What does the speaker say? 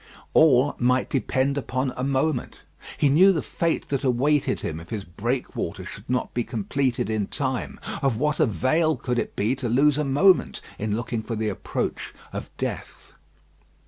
All might depend upon a moment. He knew the fate that awaited him if his breakwater should not be completed in time. Of what avail could it be to lose a moment in looking for the approach of death?